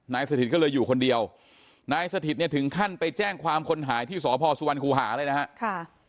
สถิตก็เลยอยู่คนเดียวนายสถิตเนี่ยถึงขั้นไปแจ้งความคนหายที่สพสุวรรคูหาเลยนะครับ